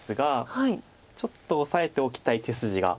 ちょっと押さえておきたい手筋が。